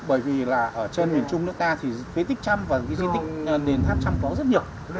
bởi vì ở trên miền trung nước ta thì di tích châm và di tích nền tháp châm có rất nhiều